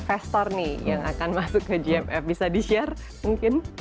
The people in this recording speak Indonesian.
investor nih yang akan masuk ke gmf bisa di share mungkin